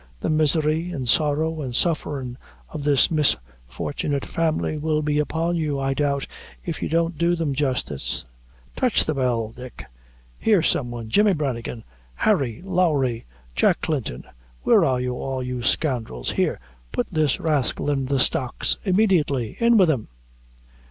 The misery, and sorrow, and sufferin's of this misfortunate family, will be upon you, I doubt, if you don't do them justice." "Touch the bell, Dick! Here some one! Jemmy Branigan! Harry Lowry! Jack Clinton! Where are you all, you scoundrels? Here, put this rascal in the stocks immediately! in with him!"